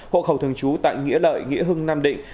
hộ khẩu thường trú tại nghĩa lợi nghĩa hưng nam định